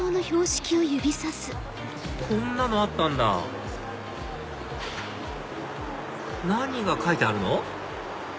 こんなのあったんだ何が書いてあるの？